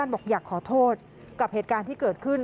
บอกอยากขอโทษกับเหตุการณ์ที่เกิดขึ้น